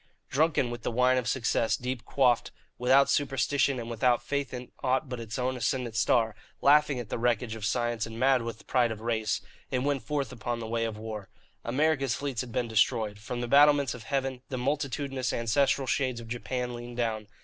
Drunken with the wine of success deep quaffed, without superstition and without faith in aught but its own ascendant star, laughing at the wreckage of science and mad with pride of race, it went forth upon the way of war. America's fleets had been destroyed. From the battlements of heaven the multitudinous ancestral shades of Japan leaned down.